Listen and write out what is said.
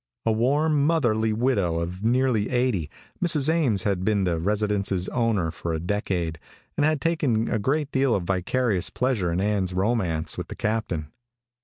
A warm, motherly widow of nearly eighty, Mrs. Ames had been the residence's owner for a decade, and had taken a great deal of vicarious pleasure in Ann's romance with the captain.